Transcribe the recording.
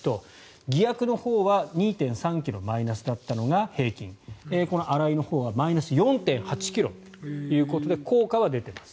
偽薬のほうは平均２．３ｋｇマイナスだったのがこのアライのほうはマイナス４．８ｋｇということで効果は出ています。